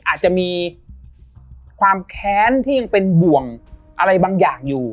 อาจจะมีความแค้นที่ยังเป็นบ่วงอะไรบางอย่างอยู่